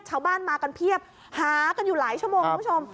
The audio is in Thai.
ชาวบ้านมากันเพียบหากันอยู่หลายชั่วโมงคุณผู้ชม